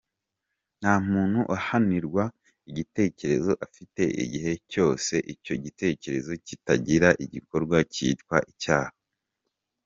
Nta muntu uhanirwa igitekerezo afite igihe cyose icyo gitekerezo kitaragira igikorwa kitwa icyaha.